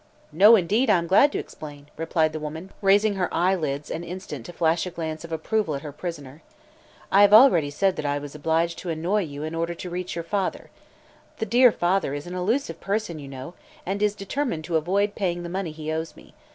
"No, indeed; I'm glad to explain," replied the woman, raising her eyelids an instant to flash a glance of approval at her prisoner. "I have already said that I was obliged to annoy you in order to reach your father. The dear father is an elusive person, you know, and is determined to avoid paying the money he owes me.